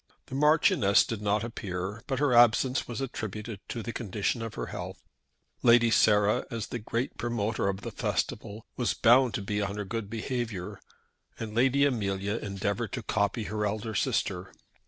The Marchioness did not appear, but her absence was attributed to the condition of her health. Lady Sarah, as the great promoter of the festival, was bound to be on her good behaviour, and Lady Amelia endeavoured to copy her elder sister.